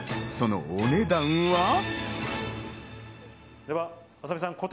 そのお値段は。